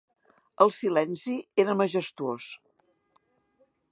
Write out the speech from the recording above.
El silenci era majestuós.